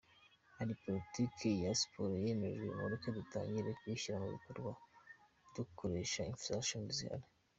Hari politike ya siporo yemejwe mureke dutangire kuyishyira mubikorwa dukoresha infrastructure zihari.